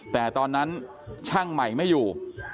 แต่ตอนนั้นช่างใหม่ไม่อยู่